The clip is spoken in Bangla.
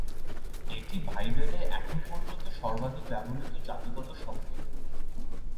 এটি বাইবেলে এখন পর্যন্ত সর্বাধিক ব্যবহৃত জাতিগত শব্দ।